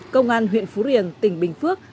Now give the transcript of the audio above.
công an huyện phú riềng tỉnh bình phước